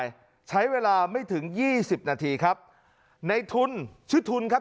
ใช้เวลาไม่ถึงยี่สิบนาทีครับในทุนชื่อทุนครับ